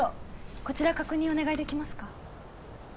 こちら確認お願いできますか？